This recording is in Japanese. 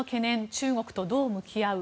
中国とどう向き合う？